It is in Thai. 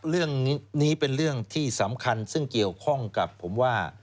เรื่องนี้เป็นเรื่องที่สำคัญซึ่งเกี่ยวข้องกับผมว่า